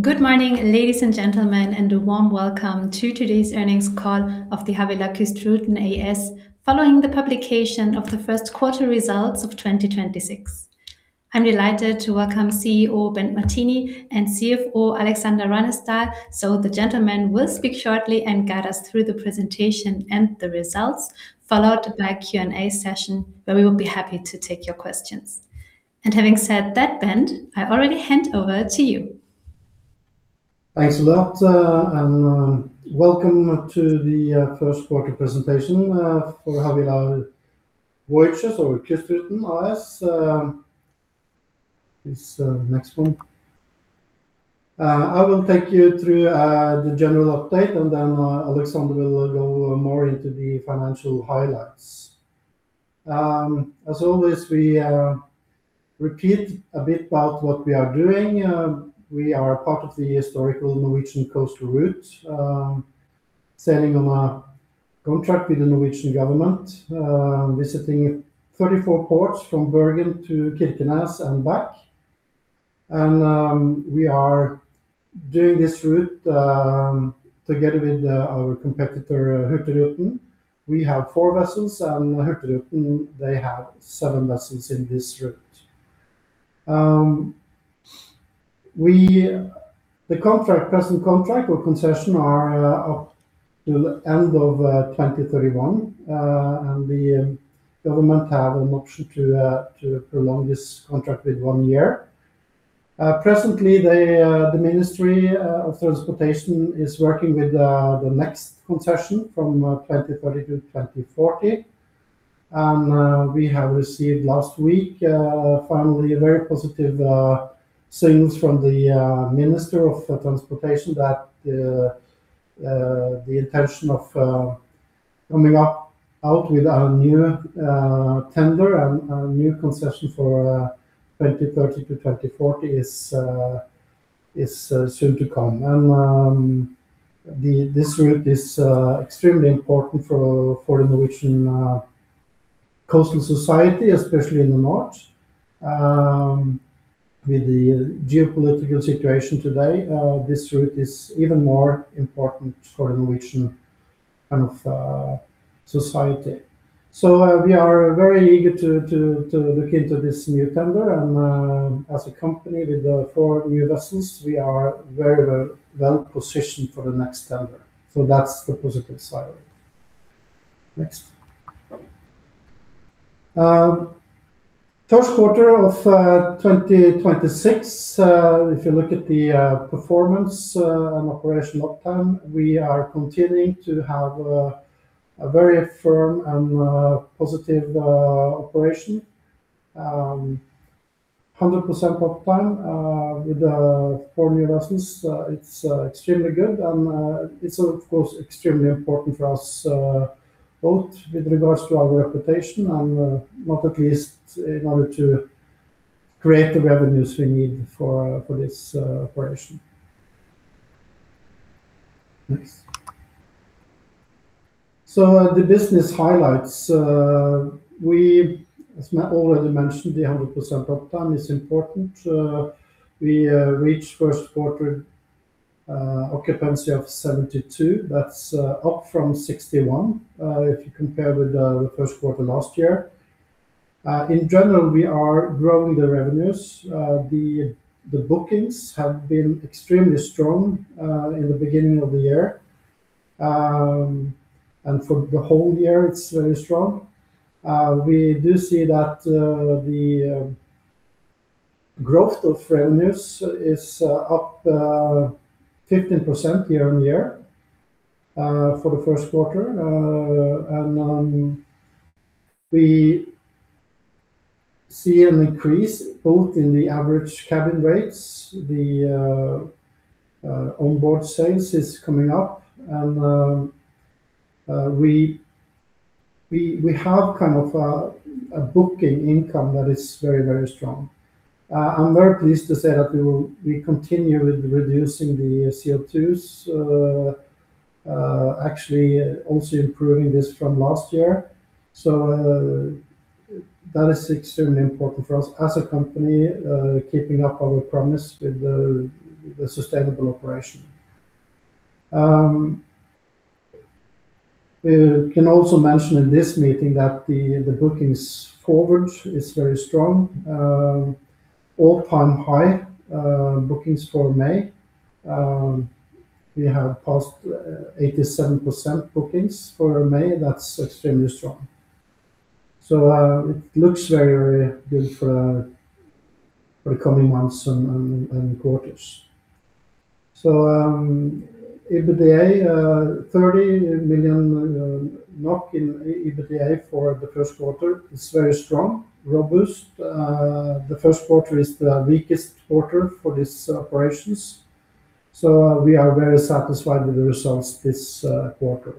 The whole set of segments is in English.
Good morning, ladies and gentlemen. A warm welcome to today's earnings call of the Havila Kystruten AS, following the publication of the first quarter results of 2026. I'm delighted to welcome CEO Bent Martini and CFO Aleksander Røynesdal. The gentlemen will speak shortly and guide us through the presentation and the results, followed by a Q&A session where we will be happy to take your questions. Having said that, Bent, I already hand over to you. Thanks a lot. Welcome to the first quarter presentation for Havila Kystruten or Kystruten AS. It's the next one. I will take you through the general update. Then Aleksander will go more into the financial highlights. As always, we repeat a bit about what we are doing. We are a part of the historical Norwegian coastal route, sailing on a contract with the Norwegian government, visiting 34 ports from Bergen to Kirkenes and back. We are doing this route together with our competitor, Hurtigruten. We have four vessels. Hurtigruten, they have seven vessels in this route. The present contract or concession are up till the end of 2031. The government have an option to prolong this contract with one year. Presently, the Ministry of Transport is working with the next concession from 2030 to 2040. We have received last week, finally, very positive signals from the Minister of Transportation that the intention of coming out with a new tender and a new concession for 2030 to 2040 is soon to come. This route is extremely important for the Norwegian coastal society, especially in the north. With the geopolitical situation today, this route is even more important for the Norwegian society. We are very eager to look into this new tender and, as a company with four new vessels, we are very well-positioned for the next tender. That's the positive side. Next. First quarter of 2026. If you look at the performance and operational uptime, we are continuing to have a very firm and positive operation. 100% uptime with four new vessels, it's extremely good and it's of course extremely important for us, both with regards to our reputation and not at least in order to create the revenues we need for this operation. Next. The business highlights. As already mentioned, the 100% uptime is important. We reached first quarter occupancy of 72%. That's up from 61% if you compare with the first quarter last year. In general, we are growing the revenues. The bookings have been extremely strong in the beginning of the year. For the whole year, it's very strong. We do see that the growth of revenues is up 15% year-over-year for the first quarter. We see an increase both in the average cabin rates, the onboard sales is coming up, and we have a booking income that is very strong. I'm very pleased to say that we continue with reducing the CO2, actually also improving this from last year. That is extremely important for us as a company, keeping up our promise with the sustainable operation. We can also mention in this meeting that the bookings forward is very strong. All-time high bookings for May. We have passed 87% bookings for May. That's extremely strong. It looks very good for the coming months and quarters. EBITDA, NOK 30 million in EBITDA for the first quarter. It's very strong, robust. The first quarter is the weakest quarter for these operations. We are very satisfied with the results this quarter.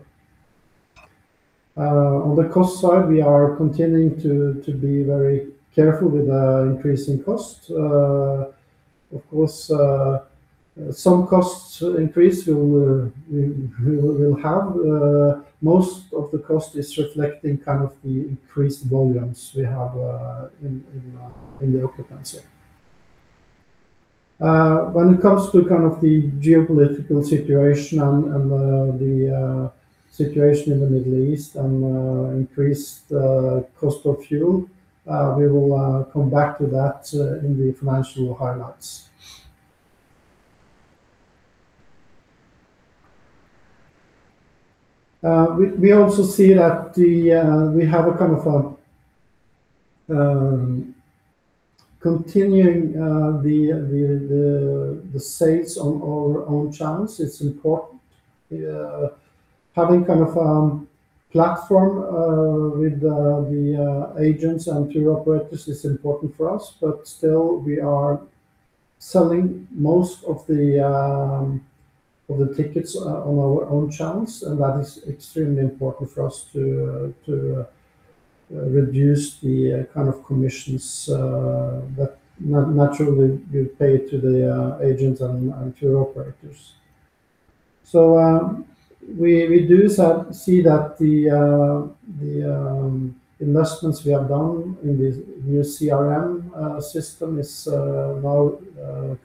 On the cost side, we are continuing to be very careful with increasing costs. Of course, some costs increase we will have. Most of the cost is reflecting the increased volumes we have in the occupancy. When it comes to the geopolitical situation and the situation in the Middle East and increased cost of fuel, we will come back to that in the financial highlights. We also see that we have a continuing the sales on our own channels. It's important. Still we are selling most of the tickets on our own channels, and that is extremely important for us to reduce the commissions that naturally you pay to the agents and tour operators. We do see that the investments we have done in the new CRM system is now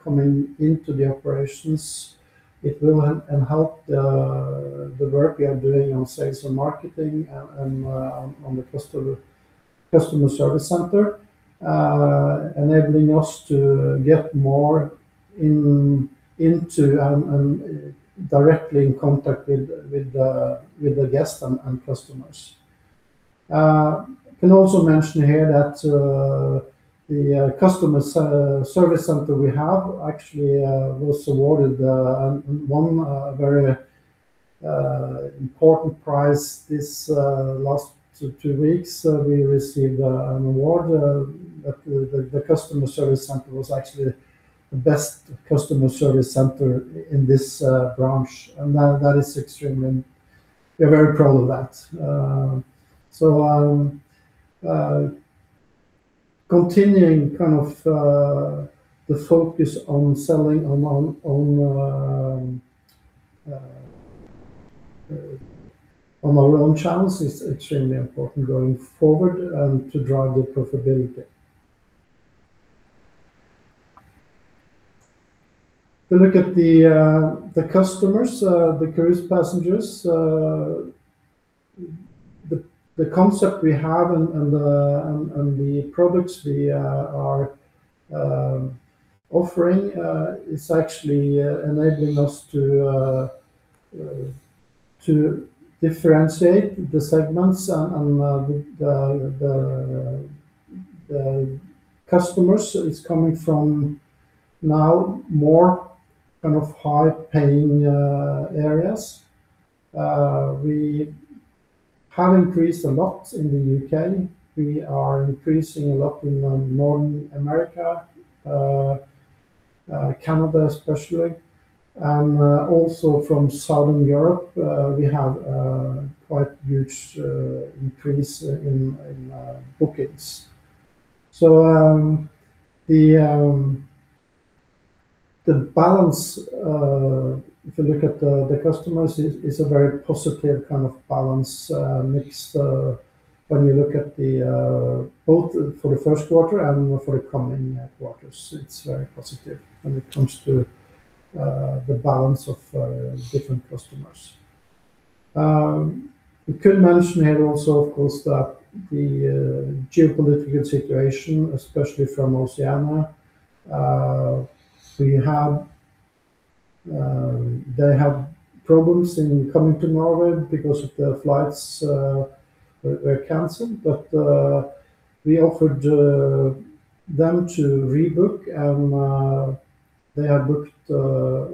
coming into the operations. It will help the work we are doing on sales and marketing and on the customer service center, enabling us to get more into and directly in contact with the guests and customers. I can also mention here that the customer service center we have actually was awarded one very important prize this last two weeks. We received an award that the customer service center was actually the best customer service center in this branch. We're very proud of that. Continuing the focus on selling on our own channels is extremely important going forward and to drive the profitability. If you look at the customers, the cruise passengers, the concept we have and the products we are offering is actually enabling us to differentiate the segments and the customers is coming from now more high-paying areas. We have increased a lot in the U.K. We are increasing a lot in Northern America, Canada especially, and also from Southern Europe we have a quite huge increase in bookings. The balance, if you look at the customers, is a very positive balance mix when you look at both for the first quarter and for the coming quarters. It's very positive when it comes to the balance of different customers. We could mention here also, of course, that the geopolitical situation, especially from Oceania. They have problems in coming to Norway because of their flights were canceled. We offered them to rebook, and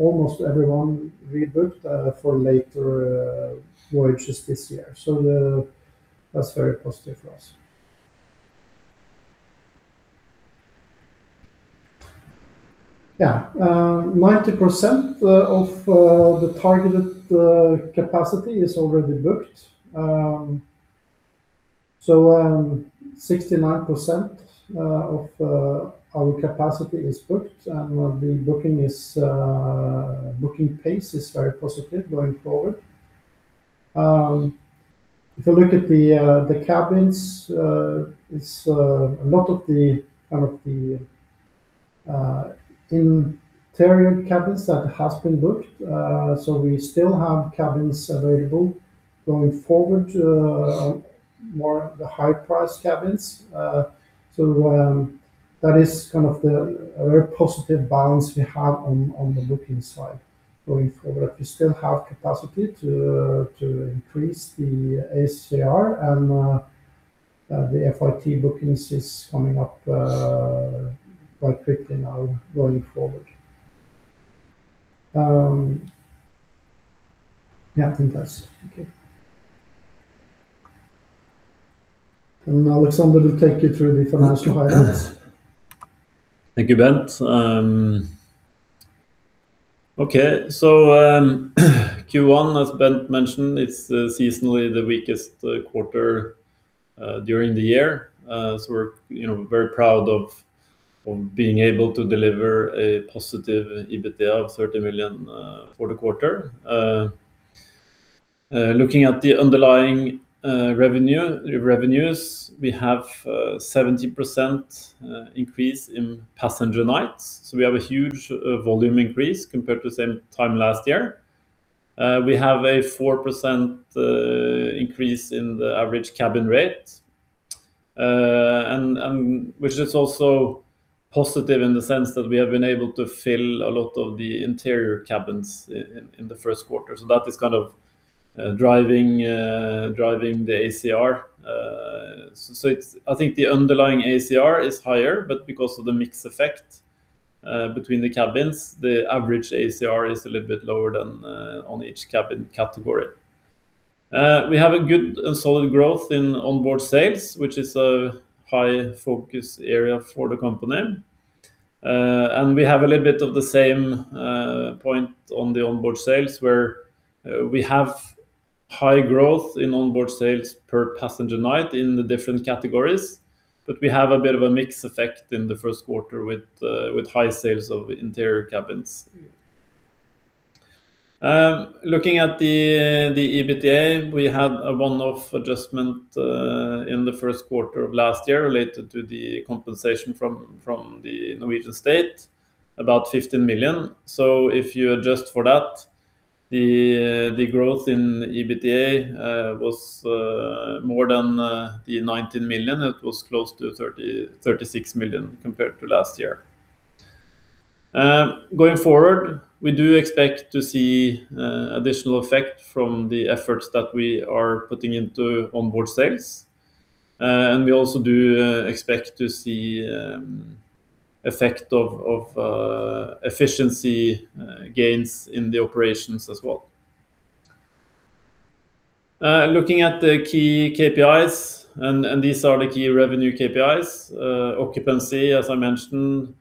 almost everyone rebooked for later voyages this year. That's very positive for us. Yeah. 90% of the targeted capacity is already booked. 69% of our capacity is booked, and the booking pace is very positive going forward. If you look at the cabins, it's a lot of the interior cabins that has been booked. We still have cabins available going forward, more the high-price cabins. That is the very positive balance we have on the booking side going forward that we still have capacity to increase the ACR and the FIT bookings is coming up quite quickly now going forward. I think that's okay. Now Aleksander will take you through the financial highlights. Thank you, Bent. Okay. Q1, as Bent mentioned, it's seasonally the weakest quarter during the year. We're very proud of being able to deliver a positive EBITDA of 30 million for the quarter. Looking at the underlying revenues, we have 17% increase in passenger nights. We have a huge volume increase compared to same time last year. We have a 4% increase in the average cabin rate, which is also positive in the sense that we have been able to fill a lot of the interior cabins in the first quarter. That is driving the ACR. I think the underlying ACR is higher, but because of the mix effect between the cabins, the average ACR is a little bit lower than on each cabin category. We have a good and solid growth in onboard sales, which is a high focus area for the company. We have a little bit of the same point on the onboard sales, where we have high growth in onboard sales per passenger night in the different categories, but we have a bit of a mix effect in the first quarter with high sales of interior cabins. Looking at the EBITDA, we had a one-off adjustment in the first quarter of last year related to the compensation from the Norwegian State, about 15 million. If you adjust for that, the growth in EBITDA was more than 19 million. It was close to 36 million compared to last year. Going forward, we do expect to see additional effect from the efforts that we are putting into onboard sales. We also do expect to see effect of efficiency gains in the operations as well. Looking at the key KPIs, and these are the key revenue KPIs. Occupancy, as I mentioned,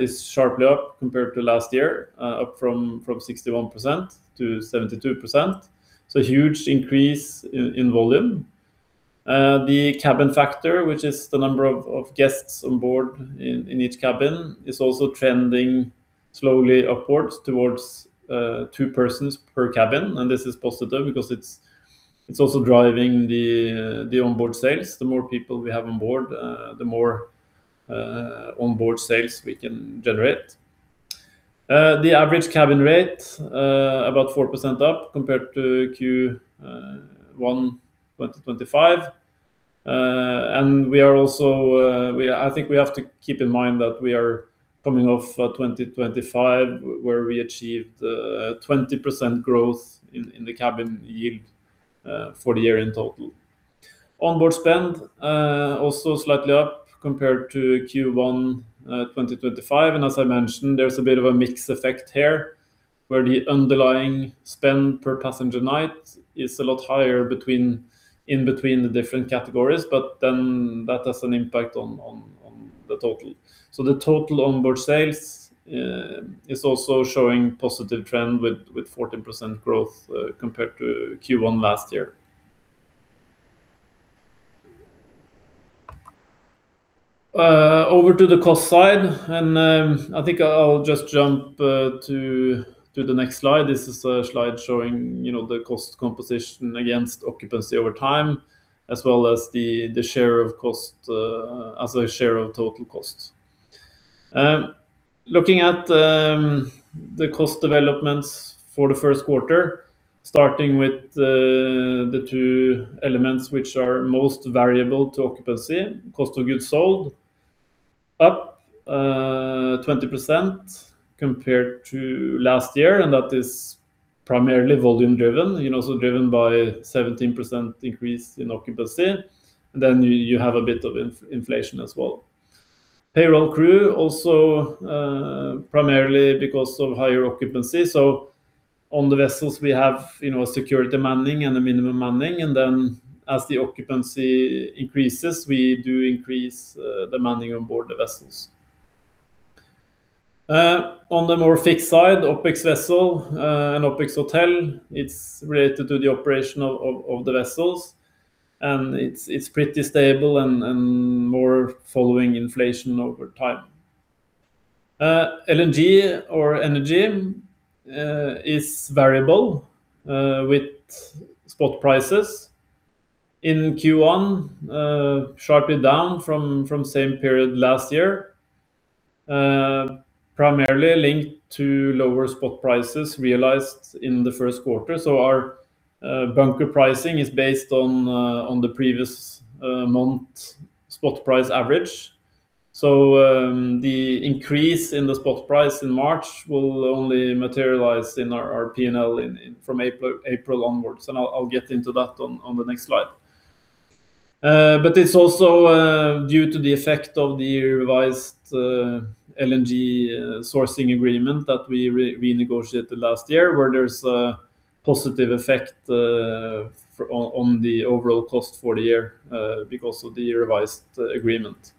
is sharply up compared to last year, up from 61% to 72%. Huge increase in volume. The cabin factor, which is the number of guests on board in each cabin, is also trending slowly upwards towards two persons per cabin. This is positive because it's also driving the onboard sales. The more people we have on board, the more onboard sales we can generate. The average cabin rate about 4% up compared to Q1 2025. I think we have to keep in mind that we are coming off 2025, where we achieved 20% growth in the cabin yield for the year in total. Onboard spend also slightly up compared to Q1 2025, and as I mentioned, there's a bit of a mix effect here, where the underlying spend per passenger night is a lot higher in between the different categories, but then that has an impact on the total. The total onboard sales is also showing positive trend with 14% growth compared to Q1 last year. Over to the cost side, and I think I'll just jump to the next slide. This is a slide showing the cost composition against occupancy over time, as well as the share of total cost. Looking at the cost developments for the first quarter, starting with the two elements which are most variable to occupancy. Cost of goods sold up 20% compared to last year, and that is primarily volume driven, also driven by 17% increase in occupancy. You have a bit of inflation as well. Payroll crew also primarily because of higher occupancy. On the vessels we have security manning and the minimum manning, as the occupancy increases, we do increase the manning on board the vessels. On the more fixed side, OpEx vessel and OpEx hotel, it's related to the operation of the vessels, and it's pretty stable and more following inflation over time. LNG or energy is variable with spot prices. In Q1, sharply down from same period last year, primarily linked to lower spot prices realized in the first quarter. Our bunker pricing is based on the previous month spot price average. The increase in the spot price in March will only materialize in our P&L from April onwards, and I'll get into that on the next slide. It's also due to the effect of the revised LNG sourcing agreement that we renegotiated last year, where there's a positive effect on the overall cost for the year because of the revised agreement.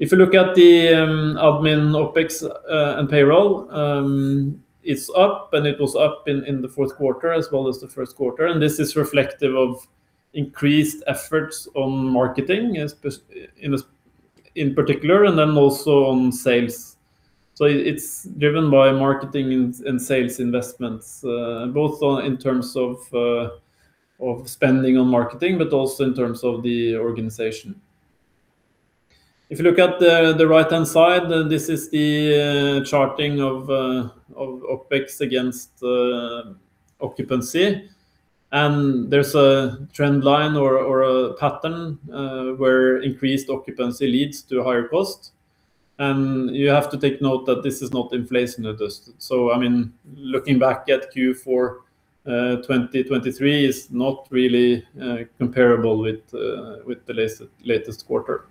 If you look at the admin OpEx and payroll, it's up, and it was up in the fourth quarter as well as the first quarter. This is reflective of increased efforts on marketing in particular, and then also on sales. It's driven by marketing and sales investments, both in terms of spending on marketing, but also in terms of the organization. If you look at the right-hand side, this is the charting of OpEx against occupancy. There's a trend line or a pattern where increased occupancy leads to higher cost. You have to take note that this is not inflation-adjusted. Looking back at Q4 2023 is not really comparable with the latest quarter.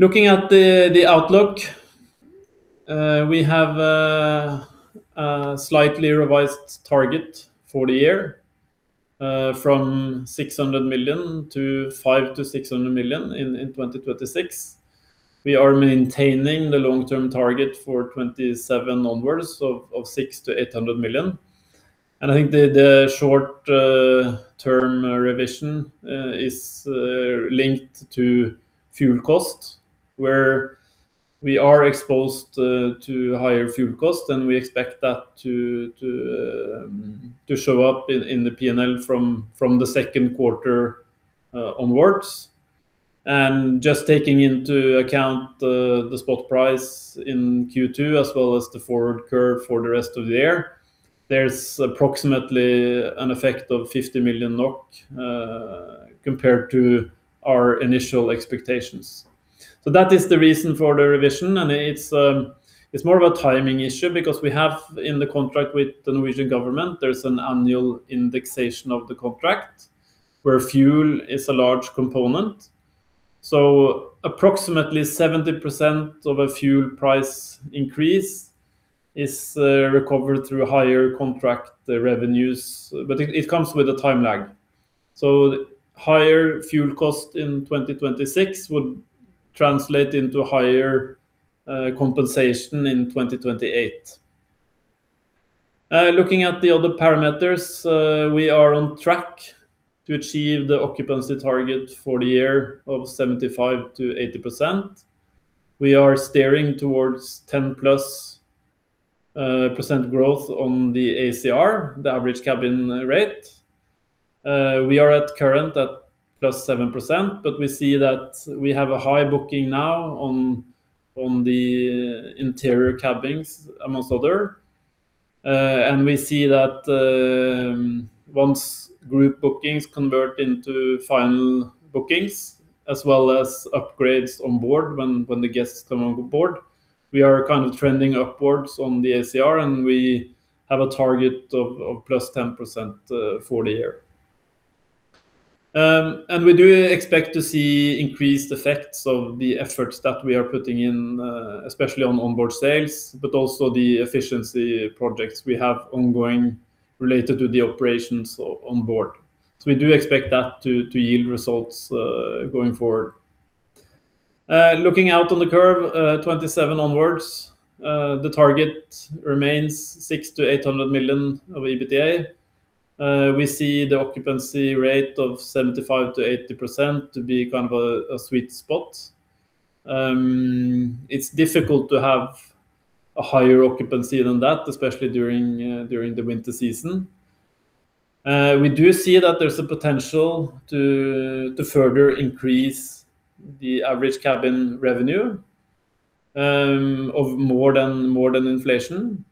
Looking at the outlook, we have a slightly revised target for the year from 600 million to 500 million- 600 million in 2026. We are maintaining the long-term target for 2027 onwards of 600 million-800 million. I think the short-term revision is linked to fuel costs, where we are exposed to higher fuel costs, and we expect that to show up in the P&L from the second quarter onwards. Just taking into account the spot price in Q2 as well as the forward curve for the rest of the year, there's approximately an effect of 50 million NOK compared to our initial expectations. That is the reason for the revision, and it's more of a timing issue because we have in the contract with the Norwegian government, there's an annual indexation of the contract where fuel is a large component. Approximately 70% of a fuel price increase is recovered through higher contract revenues. It comes with a time lag. The higher fuel cost in 2026 would translate into higher compensation in 2028. Looking at the other parameters, we are on track to achieve the occupancy target for the year of 75%-80%. We are steering towards 10+% growth on the ACR, the average cabin rate. We are at current at +7%, but we see that we have a high booking now on the interior cabins, amongst other. We see that once group bookings convert into final bookings as well as upgrades on board when the guests come on board, we are trending upwards on the ACR, and we have a target of +10% for the year. We do expect to see increased effects of the efforts that we are putting in, especially on onboard sales, but also the efficiency projects we have ongoing related to the operations on board. We do expect that to yield results going forward. Looking out on the curve, 2027 onwards, the target remains 600 million-800 million of EBITDA. We see the occupancy rate of 75%-80% to be a sweet spot. It's difficult to have a higher occupancy than that, especially during the winter season. We do see that there's a potential to further increase the average cabin revenue of more than inflation.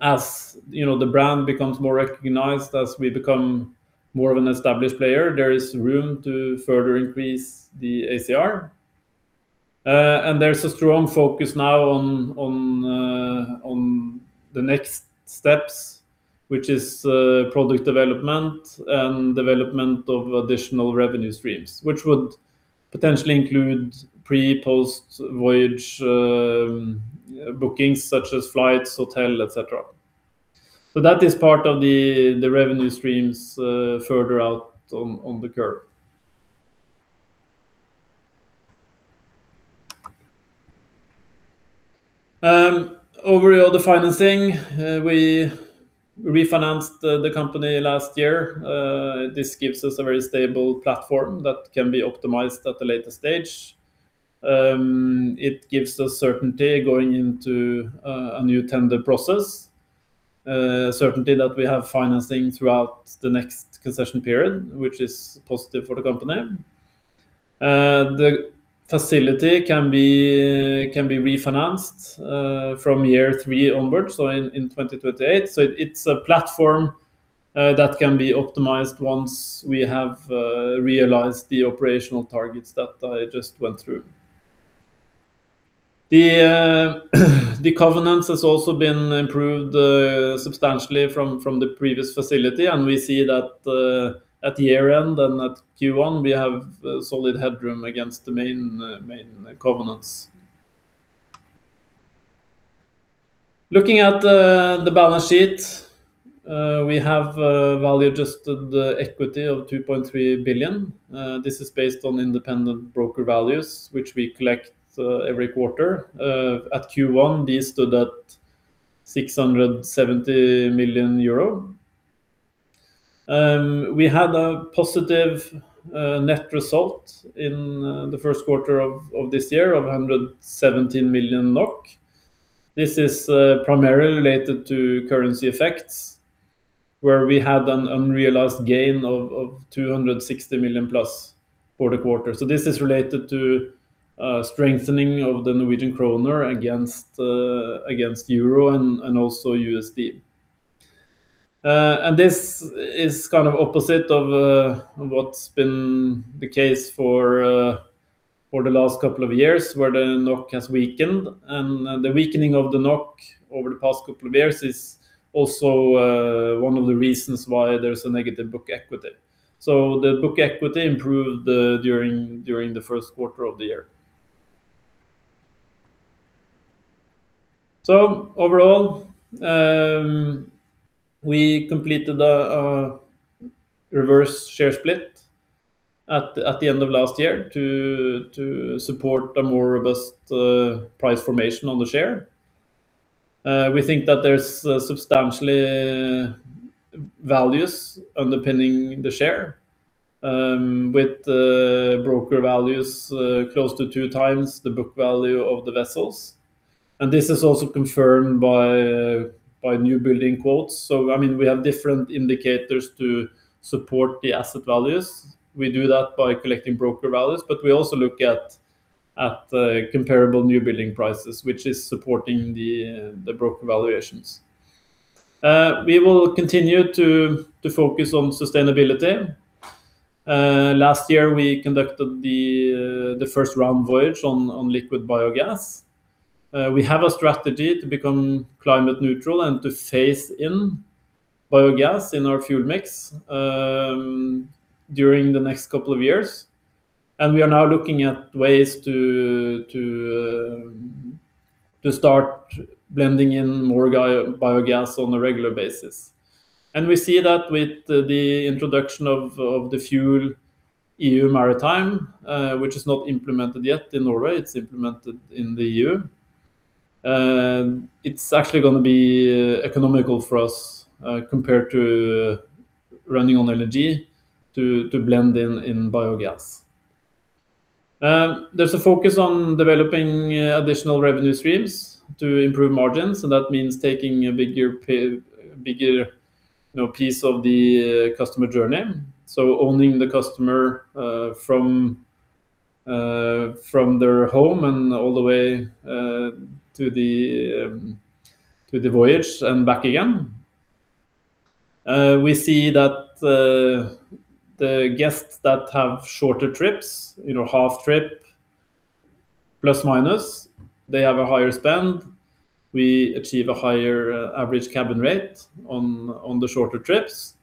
As the brand becomes more recognized, as we become more of an established player, there is room to further increase the ACR. There's a strong focus now on the next steps, which is product development and development of additional revenue streams, which would potentially include pre-, post-voyage bookings such as flights, hotel, et cetera. That is part of the revenue streams further out on the curve. Overview of the financing. We refinanced the company last year. This gives us a very stable platform that can be optimized at a later stage. It gives us certainty going into a new tender process, certainty that we have financing throughout the next concession period, which is positive for the company. The facility can be refinanced from year three onwards, so in 2028. It's a platform that can be optimized once we have realized the operational targets that I just went through. The covenants has also been improved substantially from the previous facility, and we see that at the year-end and at Q1, we have solid headroom against the main covenants. Looking at the balance sheet, we have value-adjusted equity of 2.3 billion. This is based on independent broker values, which we collect every quarter. At Q1, these stood at 670 million euro. We had a positive net result in the first quarter of this year of 117 million NOK. This is primarily related to currency effects, where we had an unrealized gain of 260+ million for the quarter. This is related to strengthening of the Norwegian kroner against euro and also USD. This is opposite of what's been the case for the last couple of years, where the NOK has weakened. The weakening of the NOK over the past couple of years is also one of the reasons why there's a negative book equity. The book equity improved during the first quarter of the year. Overall, we completed a reverse share split at the end of last year to support a more robust price formation on the share. We think that there's substantial values underpinning the share, with broker values close to two times the book value of the vessels. This is also confirmed by new building quotes. We have different indicators to support the asset values. We do that by collecting broker values, but we also look at comparable new building prices, which is supporting the broker valuations. We will continue to focus on sustainability. Last year, we conducted the first round voyage on liquid biogas. We have a strategy to become climate neutral and to phase in biogas in our fuel mix during the next couple of years. We are now looking at ways to start blending in more biogas on a regular basis. We see that with the introduction of the FuelEU Maritime, which is not implemented yet in Norway, it's implemented in the EU. It's actually going to be economical for us compared to running on LNG to blend in biogas. There's a focus on developing additional revenue streams to improve margins, and that means taking a bigger piece of the customer journey. Owning the customer from their home and all the way to the voyage and back again. We see that the guests that have shorter trips, half trip, plus, minus, they have a higher spend. We achieve a higher average cabin rate on the shorter trips.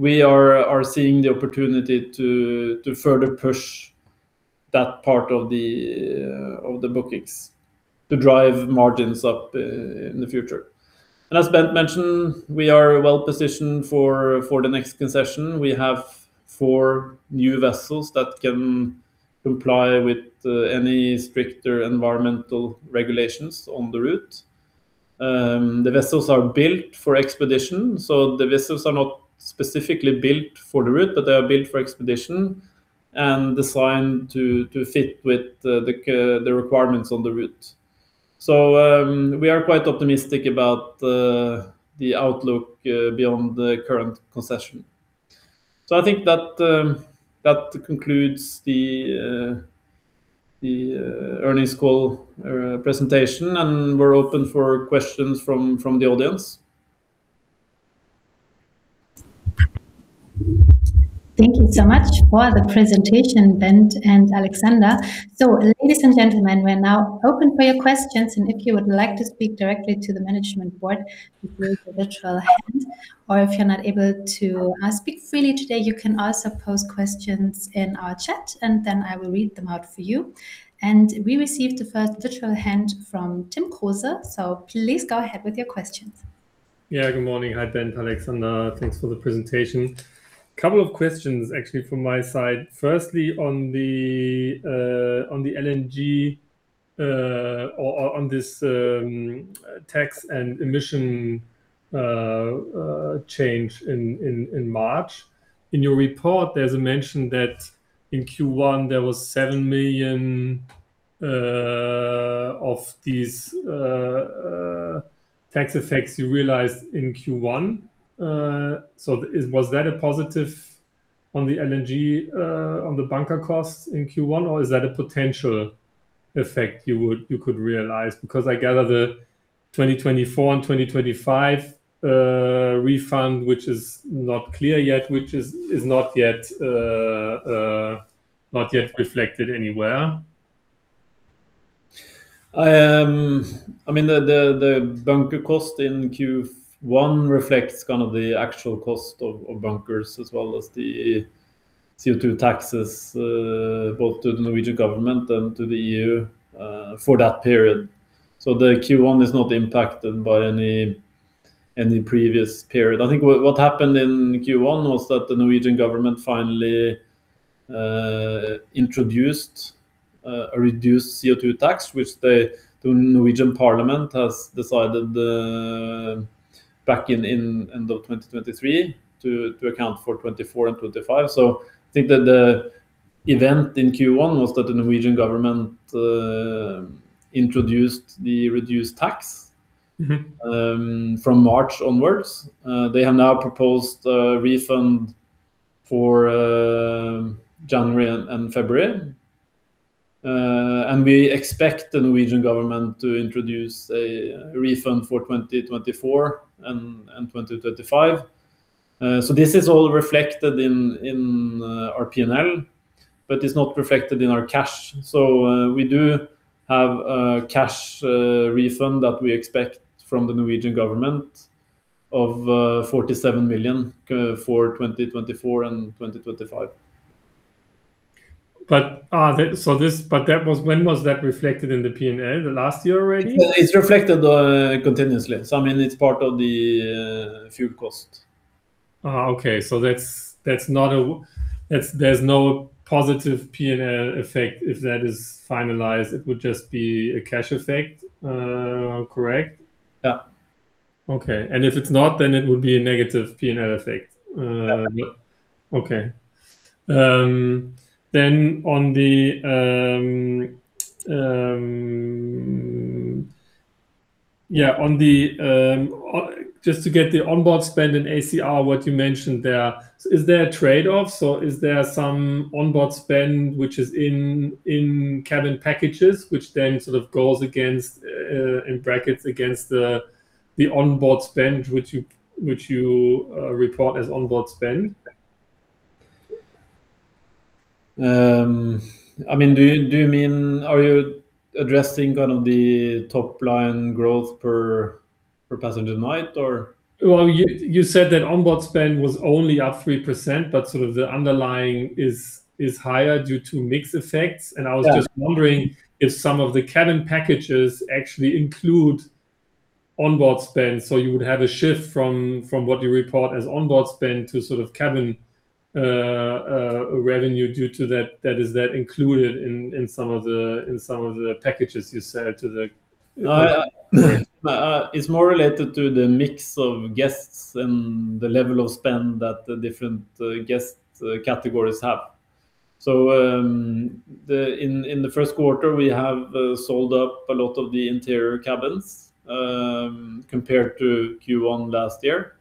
We are seeing the opportunity to further push that part of the bookings to drive margins up in the future. As Bent mentioned, we are well-positioned for the next concession. We have four new vessels that can comply with any stricter environmental regulations on the route. The vessels are built for expedition, so the vessels are not specifically built for the route, but they are built for expedition and designed to fit with the requirements on the route. We are quite optimistic about the outlook beyond the current concession. I think that concludes the earnings call presentation, and we're open for questions from the audience. Thank you so much for the presentation, Bent and Aleksander. Ladies and gentlemen, we are now open for your questions. If you would like to speak directly to the management board, you can raise your virtual hand. If you're not able to speak freely today, you can also post questions in our chat. I will read them out for you. We received the first virtual hand from Tim Kruse. Please go ahead with your questions. Yeah, good morning. Hi, Bent, Aleksander. Thanks for the presentation. Couple of questions, actually, from my side. Firstly, on the LNG or on this tax and emission change in March. In your report, there's a mention that in Q1, there was NOK 7 million of these tax effects you realized in Q1. Was that a positive on the LNG, on the bunker costs in Q1, or is that a potential effect you could realize? I gather the 2024 and 2025 refund, which is not clear yet, which is not yet reflected anywhere. The bunker cost in Q1 reflects the actual cost of bunkers as well as the CO2 taxes, both to the Norwegian Government and to the EU for that period. The Q1 is not impacted by any in the previous period. I think what happened in Q1 was that the Norwegian Government finally introduced a reduced CO2 tax, which the Norwegian Parliament has decided back in end of 2023 to account for 2024 and 2025. I think that the event in Q1 was that the Norwegian Government introduced the reduced tax. From March onwards. They have now proposed a refund for January and February. We expect the Norwegian government to introduce a refund for 2024 and 2025. This is all reflected in our P&L, but it's not reflected in our cash. We do have a cash refund that we expect from the Norwegian government of 47 million for 2024 and 2025. When was that reflected in the P&L? The last year already? It's reflected continuously. It's part of the fuel cost. Oh, okay. There's no positive P&L effect if that is finalized, it would just be a cash effect, correct? Yeah. Okay. If it's not, then it would be a negative P&L effect. Yeah. Okay. Just to get the onboard spend and ACR, what you mentioned there, is there a trade-off? Is there some onboard spend which is in cabin packages, which then sort of goes against, in brackets, against the onboard spend which you report as onboard spend? Do you mean, are you addressing the top line growth per passenger night, or? Well, you said that onboard spend was only up 3%, but sort of the underlying is higher due to mix effects. Yeah. I was just wondering if some of the cabin packages actually include onboard spend, so you would have a shift from what you report as onboard spend to sort of cabin revenue due to that. Is that included in some of the packages you sell? It's more related to the mix of guests and the level of spend that the different guest categories have. In the first quarter we have sold up a lot of the interior cabins, compared to Q1 last year.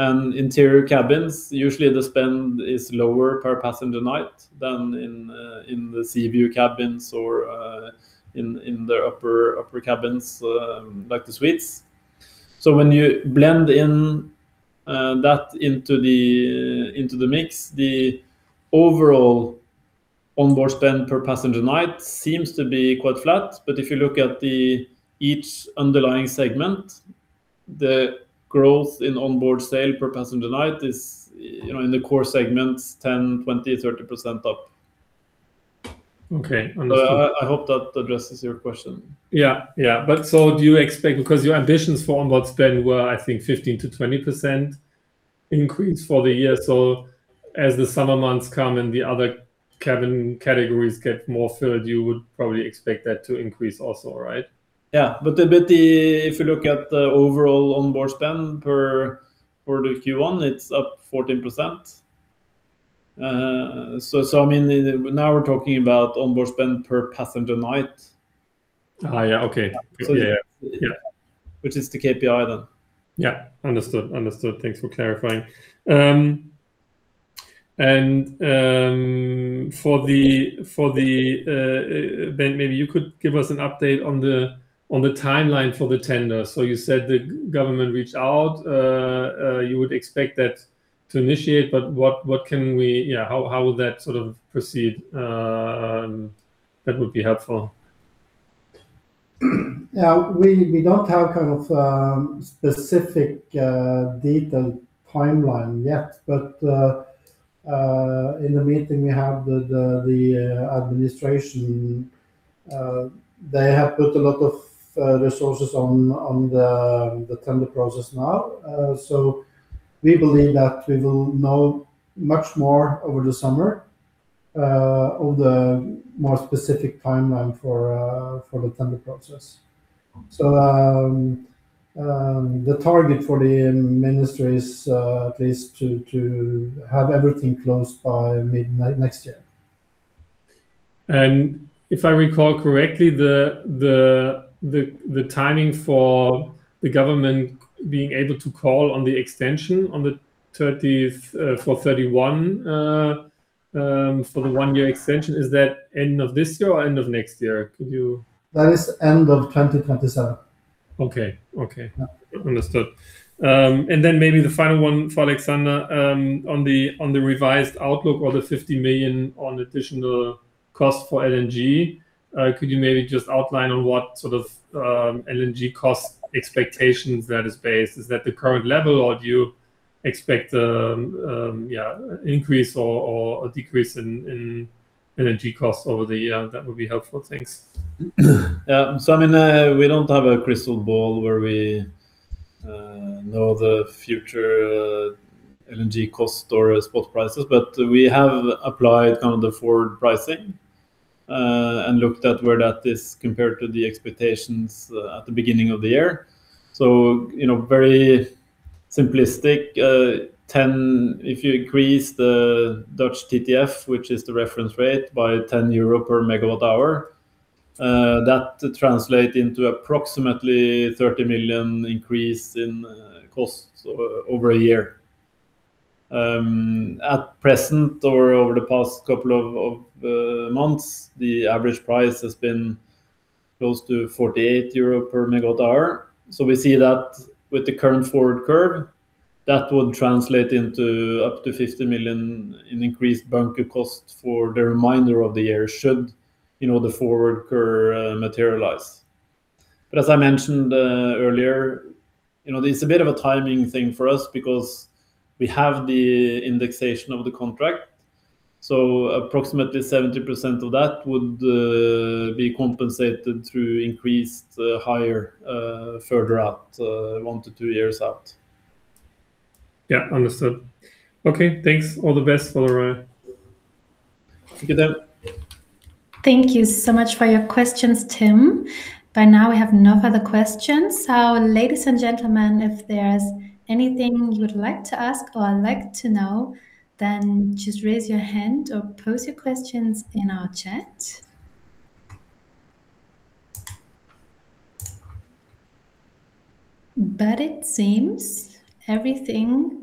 Interior cabins, usually the spend is lower per passenger night than in the sea-view cabins or in the upper cabins, like the suites. When you blend that into the mix, the overall onboard spend per passenger night seems to be quite flat. If you look at each underlying segment, the growth in onboard sale per passenger night is, in the core segments, 10%, 20%, 30% up. Okay. Understood. I hope that addresses your question. Your ambitions for onboard spend were, I think, 15%-20% increase for the year. As the summer months come and the other cabin categories get more filled, you would probably expect that to increase also, right? Yeah. If you look at the overall onboard spend for the Q1, it's up 14%. Now we're talking about onboard spend per passenger night. Yeah. Okay. Yeah. Which is the KPI, then. Yeah. Understood. Thanks for clarifying. Bent, maybe you could give us an update on the timeline for the tender. You said the government reached out, you would expect that to initiate, how would that sort of proceed? That would be helpful. We don't have specific detailed timeline yet. In the meeting we had with the administration, they have put a lot of resources on the tender process now. We believe that we will know much more over the summer of the more specific timeline for the tender process. The target for the Minister is at least to have everything closed by mid next year. If I recall correctly, the timing for the government being able to call on the extension for the one-year extension, is that end of this year or end of next year? That is end of 2027. Okay. Understood. Then maybe the final one for Aleksander, on the revised outlook of the 50 million on additional cost for LNG, could you maybe just outline on what sort of LNG cost expectations that is based? Is that the current level, or do you expect increase or a decrease in energy costs over the year? That would be helpful. Thanks. We don't have a crystal ball where we know the future LNG cost or spot prices, but we have applied kind of the forward pricing, and looked at where that is compared to the expectations at the beginning of the year. Very simplistic, if you increase the Dutch TTF, which is the reference rate by 10 euro per MWh, that translate into approximately 30 million increase in costs over a year. At present or over the past couple of months, the average price has been close to 48 euro per MWh. We see that with the current forward curve, that would translate into up to 50 million in increased bunker cost for the remainder of the year should the forward curve materialize. As I mentioned earlier, it's a bit of a timing thing for us because we have the indexation of the contract. Approximately 70% of that would be compensated through increased higher, further out, one to two years out. Yeah. Understood. Okay. Thanks. All the best for the ride. Thank you, Tim. Thank you so much for your questions, Tim. By now we have no further questions. Ladies and gentlemen, if there's anything you would like to ask or like to know, just raise your hand or post your questions in our chat. It seems everything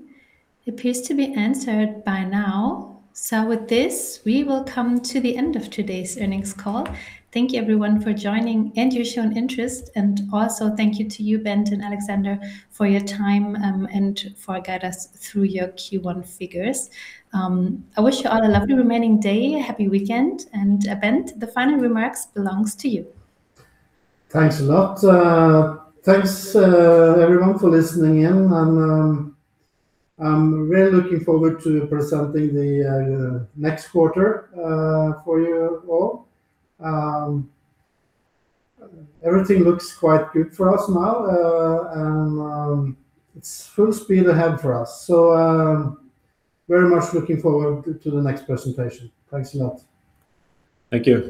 appears to be answered by now. With this, we will come to the end of today's earnings call. Thank you everyone for joining and your shown interest. Also thank you to you, Bent and Aleksander, for your time, and for guide us through your Q1 figures. I wish you all a lovely remaining day. Happy weekend. Bent, the final remarks belongs to you. Thanks a lot. Thanks everyone for listening in, and I'm really looking forward to presenting the next quarter for you all. Everything looks quite good for us now. It's full speed ahead for us. Very much looking forward to the next presentation. Thanks a lot. Thank you.